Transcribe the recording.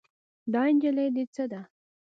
دا نجلۍ دې څه ده؟